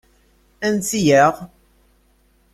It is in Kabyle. Ansi-aɣ?